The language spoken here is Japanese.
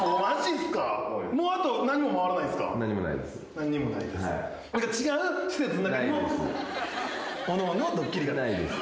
何もないです。